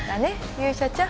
勇者ちゃん